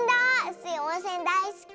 スイおんせんだいすき。